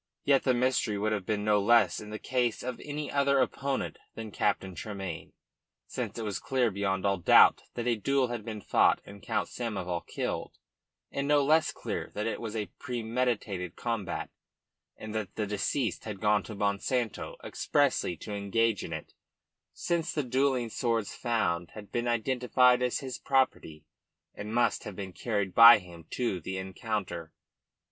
Yet the mystery would have been no less in the case of any other opponent than Captain Tremayne, since it was clear beyond all doubt that a duel had been fought and Count Samoval killed, and no less clear that it was a premeditated combat, and that the deceased had gone to Monsanto expressly to engage in it, since the duelling swords found had been identified as his property and must have been carried by him to the encounter.